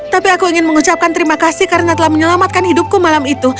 tapi aku ingin mengucapkan terima kasih karena telah menyelamatkan hidupku malam itu